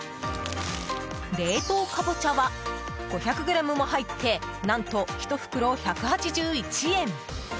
冷凍カボチャは５００ｇも入って何と、１袋１８１円。